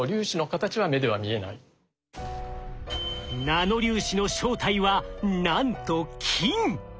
ナノ粒子の正体はなんと金！